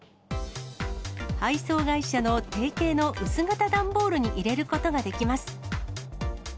配送会社の定形の薄型段ボールに入れることができます。